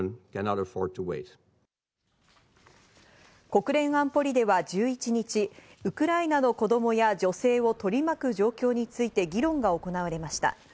国連安保理では１１日、ウクライナの子供や女性を取り巻く状況について議論が行われました。